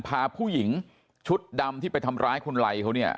พาผู้หญิงชุดดำที่ไปทำร้ายคุณไรเขาเนี่ย